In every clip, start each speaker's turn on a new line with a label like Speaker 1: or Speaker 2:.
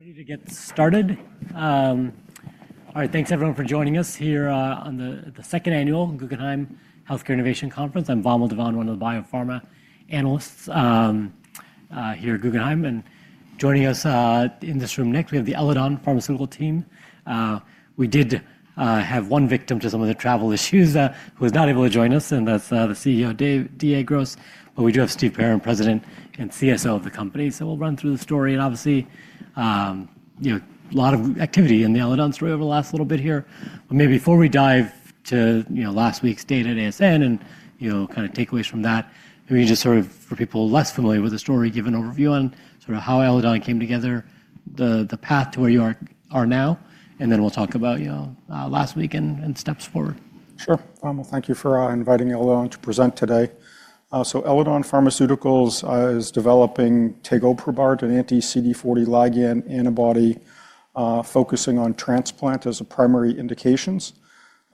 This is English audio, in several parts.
Speaker 1: Ready to get started. All right, thanks everyone for joining us here, on the second annual Guggenheim Healthcare Innovation Conference. I'm Vamil Divan, one of the biopharma analysts here at Guggenheim. Joining us in this room next, we have the Eledon Pharmaceuticals team. We did have one victim to some of the travel issues, who was not able to join us, and that's the CEO, Dave Gros. But we do have Steve Perrin, President and CSO of the company. We'll run through the story. Obviously, you know, a lot of activity in the Eledon story over the last little bit here. Maybe before we dive to, you know, last week's data at ASN and, you know, kind of takeaways from that, maybe just sort of, for people less familiar with the story, give an overview on sort of how Eledon came together, the path to where you are now, and then we'll talk about, you know, last week and steps forward.
Speaker 2: Sure. Thank you for inviting Eledon to present today. Eledon Pharmaceuticals is developing tegoprubart, an anti-CD40 Ligand antibody, focusing on transplant as a primary indication.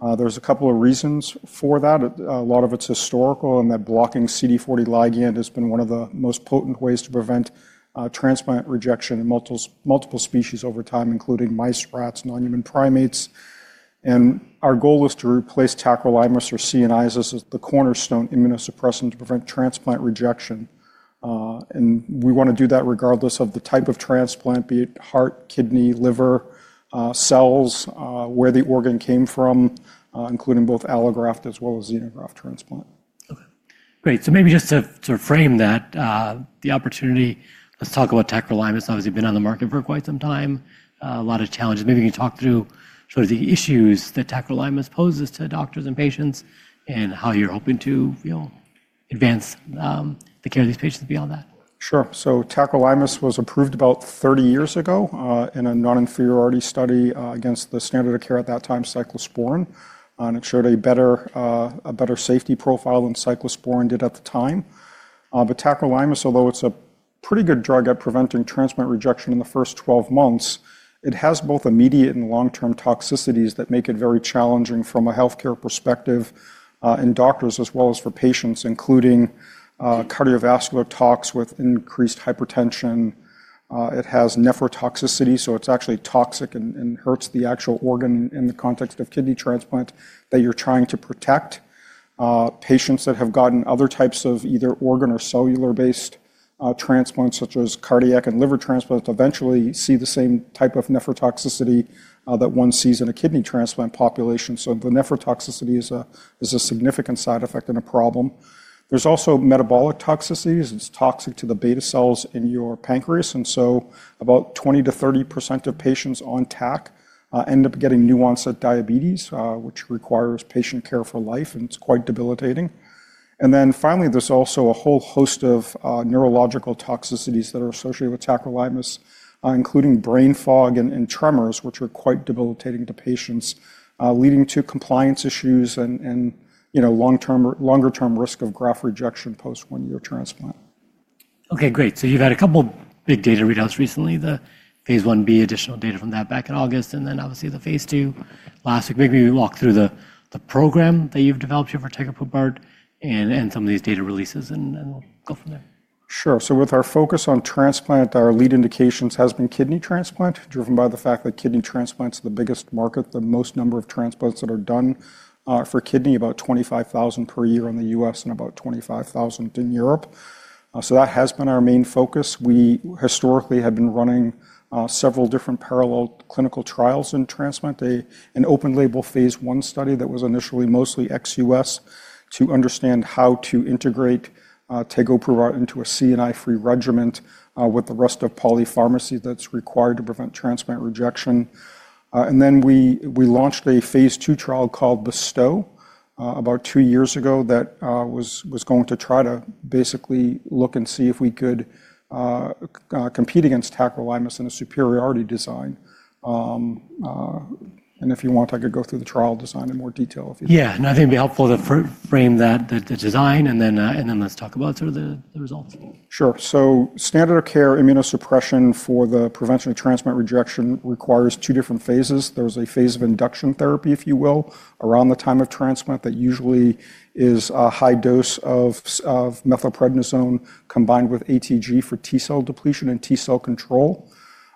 Speaker 2: There are a couple of reasons for that. A lot of it is historical in that blocking CD40 Ligand has been one of the most potent ways to prevent transplant rejection in multiple species over time, including mice, rats, nonhuman primates. Our goal is to replace tacrolimus or cyclosporine as the cornerstone immunosuppressant to prevent transplant rejection. We want to do that regardless of the type of transplant, be it heart, kidney, liver, cells, where the organ came from, including both allograft as well as xenograft transplant.
Speaker 1: Okay. Great. Maybe just to sort of frame that, the opportunity, let's talk about tacrolimus. Obviously, you've been on the market for quite some time, a lot of challenges. Maybe you can talk through sort of the issues that tacrolimus poses to doctors and patients and how you're hoping to, you know, advance the care of these patients beyond that.
Speaker 2: Sure. Tacrolimus was approved about 30 years ago, in a noninferiority study, against the standard of care at that time, cyclosporine. It showed a better, a better safety profile than cyclosporine did at the time. Tacrolimus, although it's a pretty good drug at preventing transplant rejection in the first 12 months, has both immediate and long-term toxicities that make it very challenging from a healthcare perspective, in doctors as well as for patients, including cardiovascular tox with increased hypertension. It has nephrotoxicity, so it's actually toxic and hurts the actual organ in the context of kidney transplant that you're trying to protect. Patients that have gotten other types of either organ or cellular-based transplants, such as cardiac and liver transplants, eventually see the same type of nephrotoxicity that one sees in a kidney transplant population. The nephrotoxicity is a significant side effect and a problem. There's also metabolic toxicities. It's toxic to the beta cells in your pancreas. About 20%-30% of patients on TAC end up getting new-onset diabetes, which requires patient care for life, and it's quite debilitating. Finally, there's also a whole host of neurological toxicities that are associated with tacrolimus, including brain fog and tremors, which are quite debilitating to patients, leading to compliance issues and, you know, long-term longer-term risk of graft rejection post one-year transplant.
Speaker 1: Okay. Great. You've had a couple big data readouts recently, the phase 1b additional data from that back in August, and then obviously the phase II last week. Maybe we walk through the program that you've developed here for tegoprubart and some of these data releases, and we'll go from there.
Speaker 2: Sure. With our focus on transplant, our lead indications has been kidney transplant, driven by the fact that kidney transplants are the biggest market, the most number of transplants that are done, for kidney, about 25,000 per year in the U.S. and about 25,000 in Europe. That has been our main focus. We historically have been running several different parallel clinical trials in transplant, an open-label phase I study that was initially mostly ex-U.S. to understand how to integrate tegoprubart into a CNI-free regimen, with the rest of polypharmacy that's required to prevent transplant rejection. We launched a phase II trial called BESTOW about two years ago that was going to try to basically look and see if we could compete against tacrolimus in a superiority design. And if you want, I could go through the trial design in more detail if you'd like.
Speaker 1: Yeah. I think it'd be helpful to frame that, the design, and then let's talk about sort of the results.
Speaker 2: Sure. Standard of care immunosuppression for the prevention of transplant rejection requires two different phases. There is a phase of induction therapy, if you will, around the time of transplant that usually is a high dose of methylprednisolone combined with ATG for T-cell depletion and T-cell control.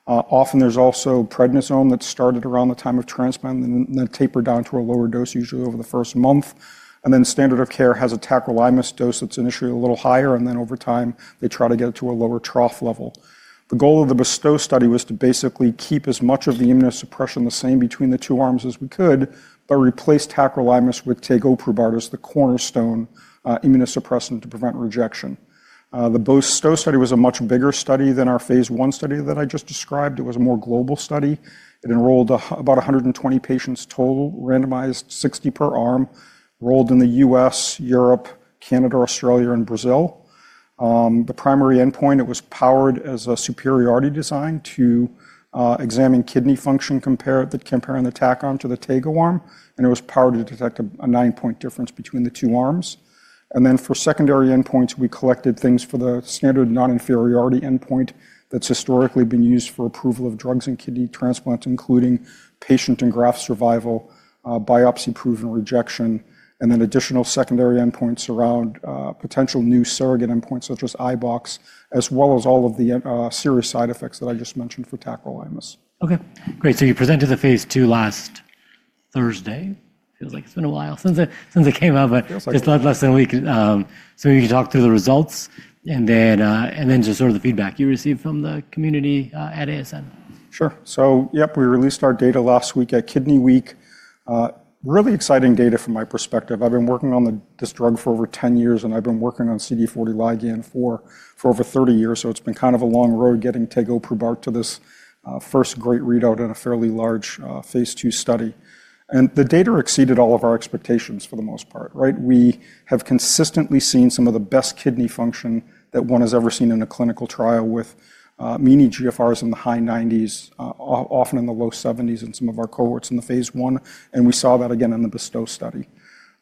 Speaker 2: Often there is also prednisone that is started around the time of transplant and then tapered down to a lower dose, usually over the first month. Standard of care has a tacrolimus dose that is initially a little higher, and then over time they try to get it to a lower trough level. The goal of the BESTOW study was to basically keep as much of the immunosuppression the same between the two arms as we could, but replace tacrolimus with tegoprubart as the cornerstone immunosuppressant to prevent rejection. The BESTOW study was a much bigger study than our phase I study that I just described. It was a more global study. It enrolled about 120 patients total, randomized 60 per arm, enrolled in the U.S., Europe, Canada, Australia, and Brazil. The primary endpoint, it was powered as a superiority design to examine kidney function, compare the compare and the TAC arm to the Tego arm, and it was powered to detect a nine-point difference between the two arms. For secondary endpoints, we collected things for the standard noninferiority endpoint that's historically been used for approval of drugs in kidney transplant, including patient and graft survival, biopsy-proven rejection, and then additional secondary endpoints around potential new surrogate endpoints such as IBOX, as well as all of the serious side effects that I just mentioned for tacrolimus.
Speaker 1: Okay. Great. You presented the phase II last Thursday. Feels like it's been a while since it came out, but just less than a week. We can talk through the results and then just sort of the feedback you received from the community at ASN.
Speaker 2: Sure. Yep, we released our data last week at Kidney Week. Really exciting data from my perspective. I've been working on this drug for over 10 years, and I've been working on CD40 Ligand for over 30 years. It's been kind of a long road getting tegoprubart to this first great readout in a fairly large, phase II study. The data exceeded all of our expectations for the most part, right? We have consistently seen some of the best kidney function that one has ever seen in a clinical trial, with eGFRs in the high 90s, often in the low 70s in some of our cohorts in the phase I. We saw that again in the BESTOW study.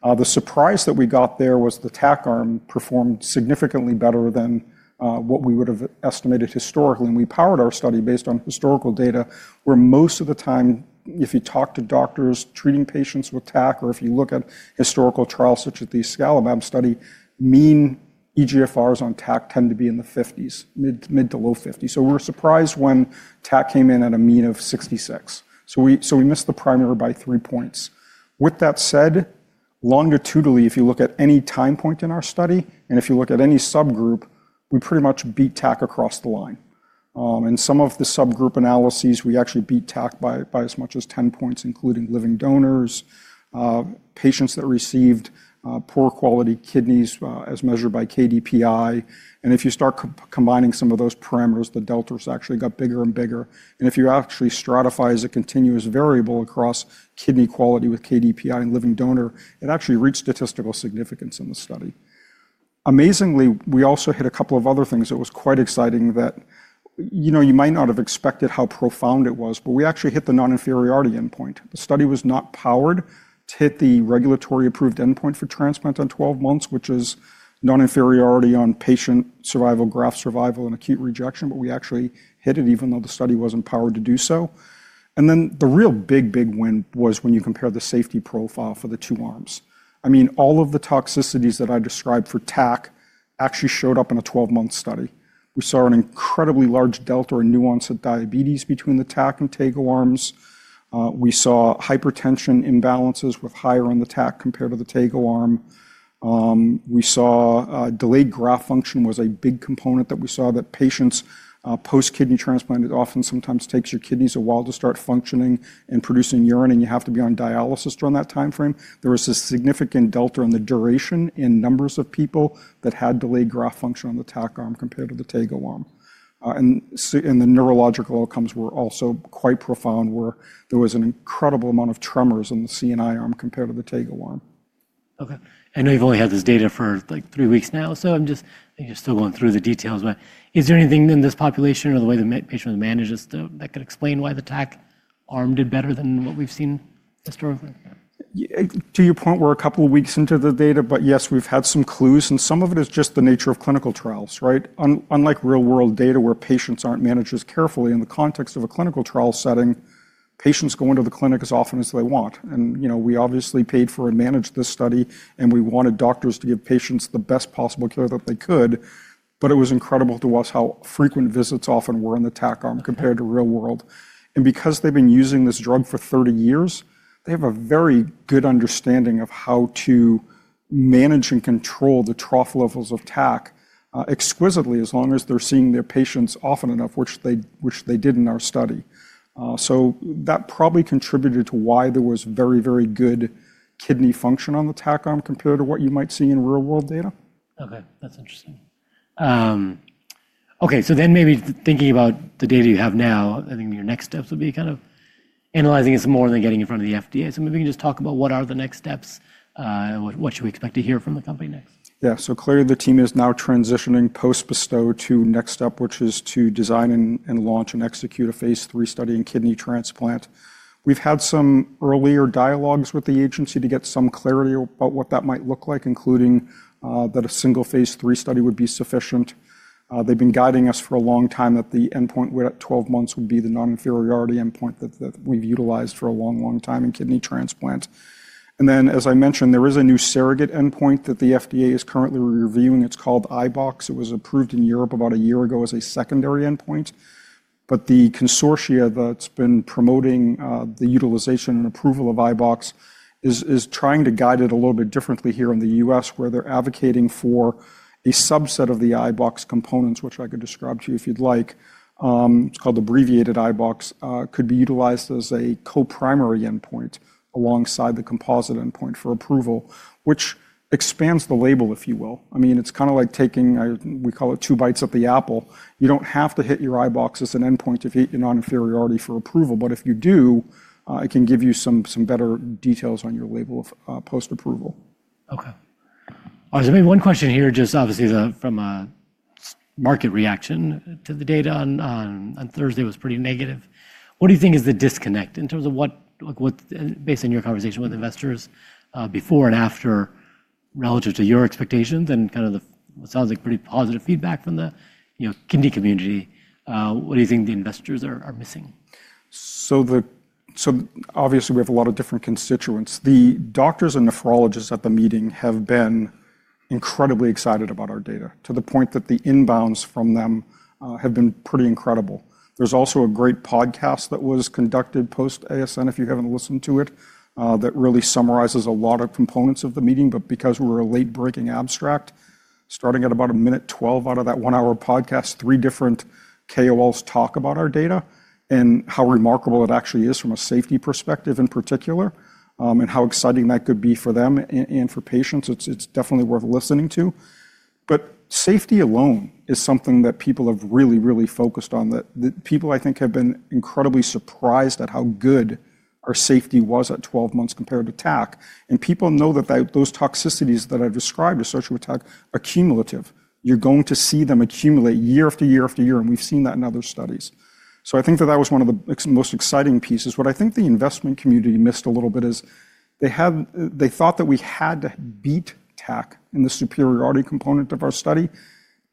Speaker 2: The surprise that we got there was the TAC arm performed significantly better than what we would have estimated historically. We powered our study based on historical data where most of the time, if you talk to doctors treating patients with TAC, or if you look at historical trials such as the Iscalimab study, mean eGFRs on TAC tend to be in the 50s, mid 50s-low 50s. We were surprised when TAC came in at a mean of 66. We missed the primary by three points. With that said, longitudinally, if you look at any time point in our study, and if you look at any subgroup, we pretty much beat TAC across the line. In some of the subgroup analyses, we actually beat TAC by as much as 10 points, including living donors, patients that received poor quality kidneys, as measured by KDPI. If you start combining some of those parameters, the deltas actually got bigger and bigger. If you actually stratify as a continuous variable across kidney quality with KDPI and living donor, it actually reached statistical significance in the study. Amazingly, we also hit a couple of other things that was quite exciting that, you know, you might not have expected how profound it was, but we actually hit the noninferiority endpoint. The study was not powered to hit the regulatory approved endpoint for transplant on 12 months, which is noninferiority on patient survival, graft survival, and acute rejection, but we actually hit it even though the study was not powered to do so. The real big, big win was when you compare the safety profile for the two arms. I mean, all of the toxicities that I described for TAC actually showed up in a 12-month study. We saw an incredibly large delta or nuance of diabetes between the TAC and Tego arms. We saw hypertension imbalances with higher on the TAC compared to the Tego arm. We saw delayed graft function was a big component that we saw, that patients post-kidney transplant, it often sometimes takes your kidneys a while to start functioning and producing urine, and you have to be on dialysis during that timeframe. There was a significant delta in the duration in numbers of people that had delayed graft function on the TAC arm compared to the Tego arm. The neurological outcomes were also quite profound where there was an incredible amount of tremors in the CNI arm compared to the Tego arm.
Speaker 1: Okay. I know you've only had this data for like three weeks now, so I'm just, I think you're still going through the details, but is there anything in this population or the way the patient was managed that could explain why the TAC arm did better than what we've seen historically?
Speaker 2: To your point, we're a couple of weeks into the data, but yes, we've had some clues, and some of it is just the nature of clinical trials, right? Unlike real-world data where patients aren't managed as carefully, in the context of a clinical trial setting, patients go into the clinic as often as they want. You know, we obviously paid for and managed this study, and we wanted doctors to give patients the best possible care that they could, but it was incredible to us how frequent visits often were in the TAC arm compared to real world. Because they've been using this drug for 30 years, they have a very good understanding of how to manage and control the trough levels of TAC, exquisitely as long as they're seeing their patients often enough, which they did in our study. So that probably contributed to why there was very, very good kidney function on the TAC arm compared to what you might see in real-world data.
Speaker 1: Okay. That's interesting. Okay. So then maybe thinking about the data you have now, I think your next steps would be kind of analyzing it some more, then getting in front of the FDA. Maybe we can just talk about what are the next steps, what should we expect to hear from the company next?
Speaker 2: Yeah. Clearly the team is now transitioning post-BESTOW to next step, which is to design and launch and execute a phase III study in kidney transplant. We've had some earlier dialogues with the agency to get some clarity about what that might look like, including that a single phase III study would be sufficient. They've been guiding us for a long time that the endpoint at 12 months would be the noninferiority endpoint that we've utilized for a long, long time in kidney transplant. As I mentioned, there is a new surrogate endpoint that the FDA is currently reviewing. It's called IBOX. It was approved in Europe about a year ago as a secondary endpoint, but the consortia that's been promoting the utilization and approval of IBOX is trying to guide it a little bit differently here in the U.S. where they're advocating for a subset of the IBOX components, which I could describe to you if you'd like. It's called abbreviated IBOX, could be utilized as a co-primary endpoint alongside the composite endpoint for approval, which expands the label, if you will. I mean, it's kind of like taking, we call it two bites of the apple. You don't have to hit your IBOX as an endpoint if you hit your noninferiority for approval, but if you do, it can give you some better details on your label post-approval.
Speaker 1: Okay. All right. Maybe one question here, just obviously from a market reaction to the data on Thursday was pretty negative. What do you think is the disconnect in terms of what, like what, based on your conversation with investors before and after relative to your expectations and kind of what sounds like pretty positive feedback from the, you know, kidney community? What do you think the investors are missing?
Speaker 2: Obviously we have a lot of different constituents. The doctors and nephrologists at the meeting have been incredibly excited about our data to the point that the inbounds from them have been pretty incredible. There's also a great podcast that was conducted post-ASN, if you haven't listened to it, that really summarizes a lot of components of the meeting, but because we're a late-breaking abstract, starting at about a minute 12 out of that one-hour podcast, three different KOLs talk about our data and how remarkable it actually is from a safety perspective in particular, and how exciting that could be for them and for patients. It's definitely worth listening to. Safety alone is something that people have really, really focused on, that people, I think, have been incredibly surprised at how good our safety was at 12 months compared to TAC. People know that those toxicities that I've described associated with TAC are cumulative. You're going to see them accumulate year after year after year, and we've seen that in other studies. I think that that was one of the most exciting pieces. What I think the investment community missed a little bit is they thought that we had to beat TAC in the superiority component of our study,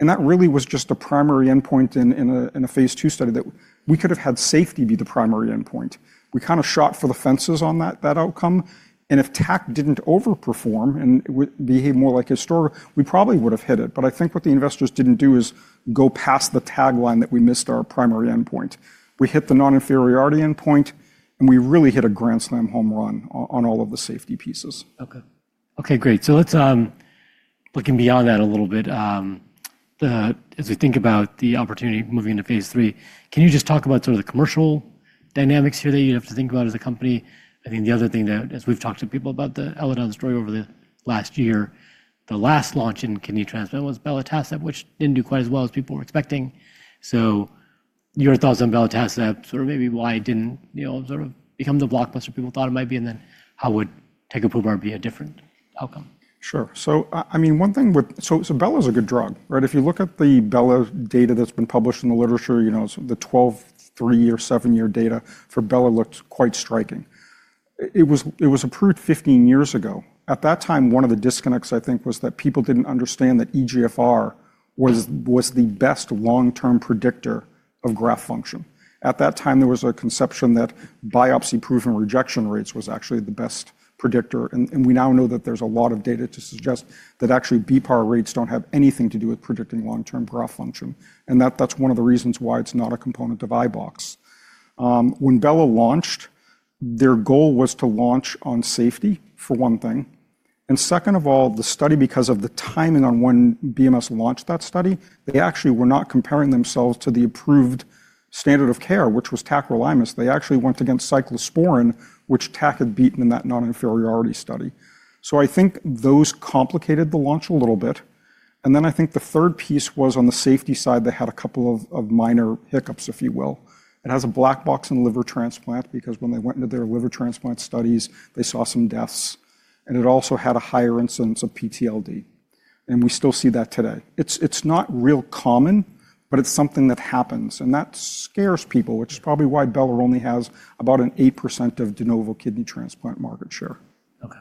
Speaker 2: and that really was just a primary endpoint in a phase II study that we could have had safety be the primary endpoint. We kind of shot for the fences on that outcome. If TAC didn't overperform and behave more like historical, we probably would have hit it. I think what the investors didn't do is go past the tagline that we missed our primary endpoint. We hit the noninferiority endpoint, and we really hit a grand slam home run on all of the safety pieces.
Speaker 1: Okay. Okay. Great. Let's, looking beyond that a little bit, as we think about the opportunity moving into phase III, can you just talk about sort of the commercial dynamics here that you'd have to think about as a company? I think the other thing that, as we've talked to people about the Eledon story over the last year, the last launch in kidney transplant was Belatacept, which didn't do quite as well as people were expecting. Your thoughts on Belatacept, sort of maybe why it didn't, you know, sort of become the blockbuster people thought it might be, and then how would tegoprubart be a different outcome?
Speaker 2: Sure. I mean, one thing with, so Bela is a good drug, right? If you look at the Bela data that's been published in the literature, you know, the 12, three, or seven-year data for Bela looked quite striking. It was approved 15 years ago. At that time, one of the disconnects, I think, was that people didn't understand that eGFR was the best long-term predictor of graft function. At that time, there was a conception that biopsy-proven rejection rates was actually the best predictor, and we now know that there's a lot of data to suggest that actually BPAR rates don't have anything to do with predicting long-term graft function, and that's one of the reasons why it's not a component of IBOX. When Bea launched, their goal was to launch on safety, for one thing. Second of all, the study, because of the timing on when BMS launched that study, they actually were not comparing themselves to the approved standard of care, which was tacrolimus. They actually went against cyclosporine, which TAC had beaten in that noninferiority study. I think those complicated the launch a little bit. I think the third piece was on the safety side, they had a couple of minor hiccups, if you will. It has a black box in liver transplant because when they went into their liver transplant studies, they saw some deaths, and it also had a higher incidence of PTLD. We still see that today. It's not real common, but it's something that happens, and that scares people, which is probably why Bela only has about an 8% of de novo kidney transplant market share.
Speaker 1: Okay. All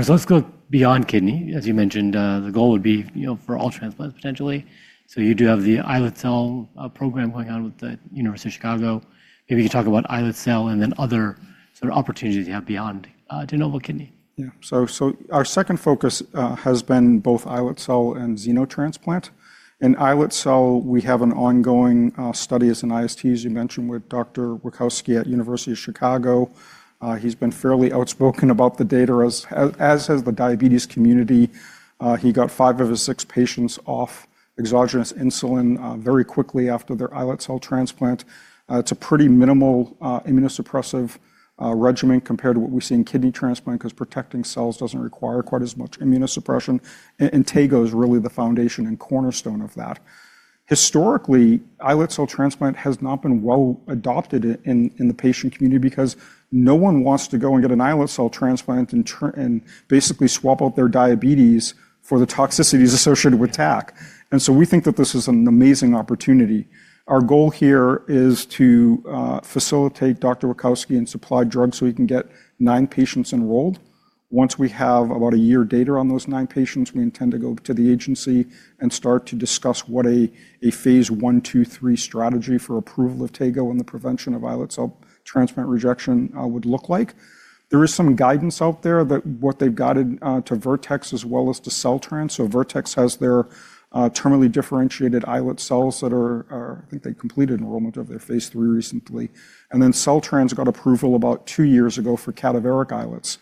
Speaker 1: right. So let's go beyond kidney. As you mentioned, the goal would be, you know, for all transplants potentially. So you do have the islet cell program going on with the University of Chicago. Maybe you can talk about islet cell and then other sort of opportunities you have beyond, de novo kidney.
Speaker 2: Yeah. Our second focus has been both islet cell and xenotransplant. In islet cell, we have an ongoing study as an IST, as you mentioned, with Dr. Rokowski at University of Chicago. He's been fairly outspoken about the data, as has the diabetes community. He got five of his six patients off exogenous insulin very quickly after their islet cell transplant. It's a pretty minimal immunosuppressive regimen compared to what we see in kidney transplant because protecting cells doesn't require quite as much immunosuppression. Tego is really the foundation and cornerstone of that. Historically, islet cell transplant has not been well adopted in the patient community because no one wants to go and get an islet cell transplant and basically swap out their diabetes for the toxicities associated with TAC. We think that this is an amazing opportunity. Our goal here is to facilitate Dr. Rokowski and supply drugs so we can get nine patients enrolled. Once we have about a year data on those nine patients, we intend to go to the agency and start to discuss what a phase I, II, III strategy for approval of Tego and the prevention of islet cell transplant rejection would look like. There is some guidance out there that what they've guided to Vertex as well as to CellTrans. Vertex has their terminally differentiated islet cells that are, I think they completed enrollment of their phase III recently. CellTrans got approval about two years ago for cadaveric islets.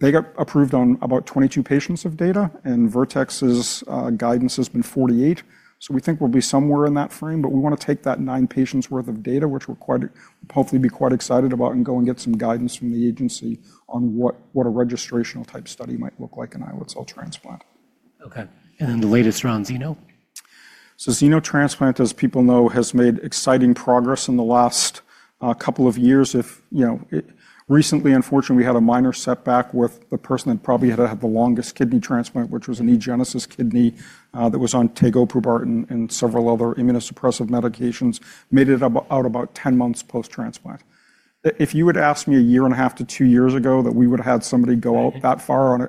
Speaker 2: They got approved on about 22 patients of data, and Vertex's guidance has been 48. We think we'll be somewhere in that frame, but we want to take that nine patients' worth of data, which we're quite hopeful will be quite excited about, and go and get some guidance from the agency on what a registrational type study might look like in islet cell transplant.
Speaker 1: Okay. And then the latest round, xeno?
Speaker 2: Xenotransplant, as people know, has made exciting progress in the last couple of years. If, you know, recently, unfortunately, we had a minor setback with the person that probably had had the longest kidney transplant, which was an eGenesis kidney, that was on tegoprubart and several other immunosuppressive medications, made it out about 10 months post-transplant. If you had asked me a year and a half to two years ago that we would have had somebody go out that far on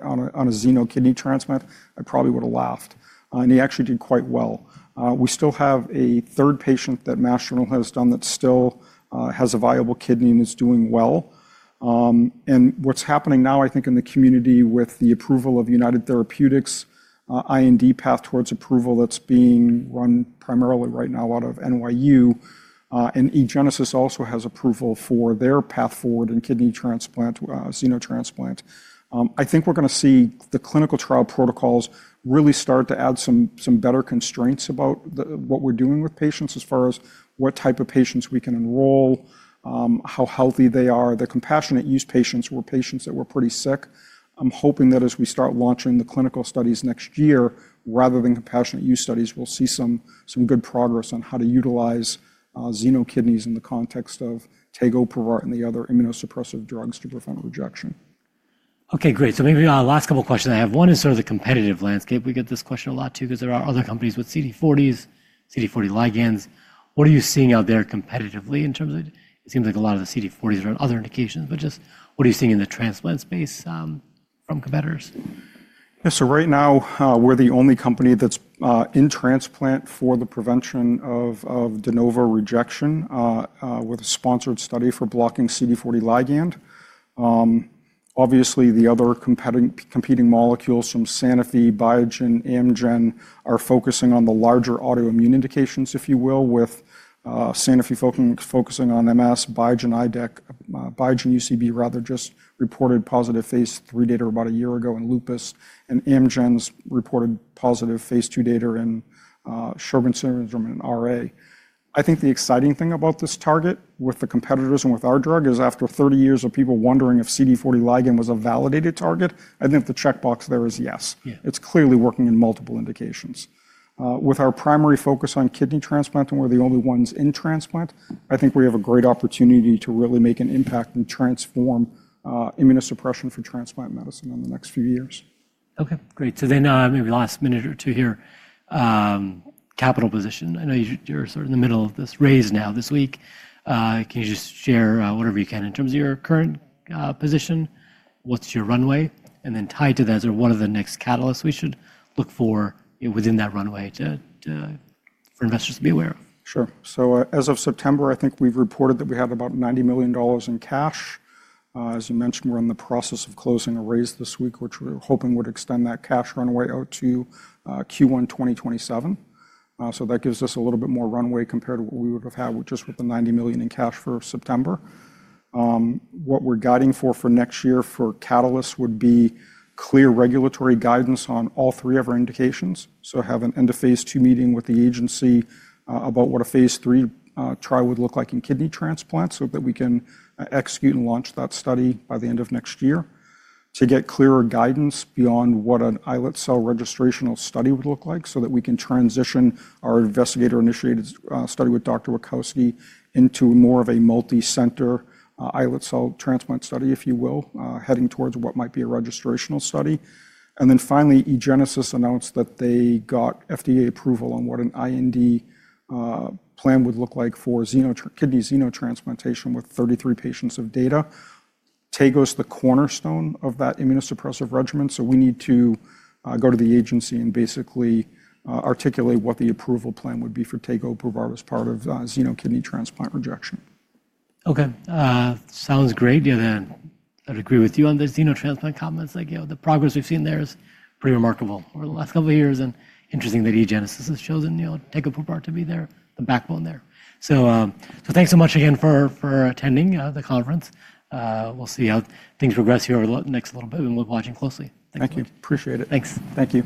Speaker 2: a xeno kidney transplant, I probably would have laughed. And he actually did quite well. We still have a third patient that Massachusetts General Hospital has done that still has a viable kidney and is doing well. What's happening now, I think, in the community with the approval of United Therapeutics, IND path towards approval that's being run primarily right now out of New York University, and eGenesis also has approval for their path forward in kidney transplant, xenotransplant. I think we're going to see the clinical trial protocols really start to add some better constraints about what we're doing with patients as far as what type of patients we can enroll, how healthy they are. The compassionate use patients were patients that were pretty sick. I'm hoping that as we start launching the clinical studies next year, rather than compassionate use studies, we'll see some good progress on how to utilize xeno kidneys in the context of tegoprubart and the other immunosuppressive drugs to prevent rejection.
Speaker 1: Okay. Great. Maybe the last couple of questions I have, one is sort of the competitive landscape. We get this question a lot too because there are other companies with CD40s, CD40 Ligands. What are you seeing out there competitively in terms of it? It seems like a lot of the CD40s are on other indications, but just what are you seeing in the transplant space, from competitors?
Speaker 2: Yeah. Right now, we're the only company that's in transplant for the prevention of de novo rejection, with a sponsored study for blocking CD40 Ligand. Obviously, the other competing molecules from Sanofi, Biogen, Amgen are focusing on the larger autoimmune indications, if you will, with Sanofi focusing on MS, Biogen UCB rather just reported positive phase III data about a year ago in lupus, and Amgen's reported positive phase II data in Sjögren's syndrome and RA. I think the exciting thing about this target with the competitors and with our drug is after 30 years of people wondering if CD40 Ligand was a validated target, I think the checkbox there is yes. It's clearly working in multiple indications. With our primary focus on kidney transplant and we're the only ones in transplant, I think we have a great opportunity to really make an impact and transform immunosuppression for transplant medicine in the next few years.
Speaker 1: Okay. Great. Maybe last minute or two here, capital position. I know you're sort of in the middle of this raise now this week. Can you just share, whatever you can in terms of your current position? What's your runway? Then tied to that, is there one of the next catalysts we should look for within that runway for investors to be aware of?
Speaker 2: Sure. As of September, I think we've reported that we had about $90 million in cash. As you mentioned, we're in the process of closing a raise this week, which we're hoping would extend that cash runway out to Q1 2027. That gives us a little bit more runway compared to what we would have had just with the $90 million in cash for September. What we're guiding for for next year for catalysts would be clear regulatory guidance on all three of our indications. Have an end of phase II meeting with the agency about what a phase III trial would look like in kidney transplant so that we can execute and launch that study by the end of next year to get clearer guidance beyond what an islet cell registrational study would look like so that we can transition our investigator-initiated study with Dr. Rokowski into more of a multi-center islet cell transplant study, if you will, heading towards what might be a registrational study. Finally, eGenesis announced that they got FDA approval on what an IND plan would look like for kidney xenotransplantation with 33 patients of data. Tego's the cornerstone of that immunosuppressive regimen. We need to go to the agency and basically articulate what the approval plan would be for tegoprubart as part of xeno kidney transplant rejection.
Speaker 1: Okay. Sounds great. You know, I'd agree with you on the xenotransplant comments. Like, you know, the progress we've seen there is pretty remarkable over the last couple of years. And interesting that eGenesis has chosen, you know, tegoprubart to be the backbone there. Thanks so much again for attending the conference. We'll see how things progress here over the next little bit, and we'll be watching closely.
Speaker 2: Thank you. Thank you. Appreciate it.
Speaker 1: Thanks.
Speaker 2: Thank you.